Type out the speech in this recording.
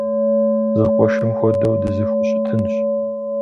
Зэкъуэшым хуэдэу дызэхущытынщ.